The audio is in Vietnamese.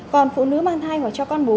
còn phụ nữ mang thai hoặc cho con bú